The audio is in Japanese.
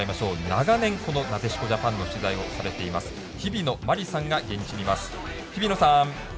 長年、なでしこジャパンの取材をされています日々野真理さんが現地にいます。